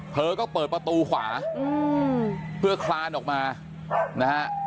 เธอก็เปิดประตูขวาเพื่อคลานออกมานะฮะ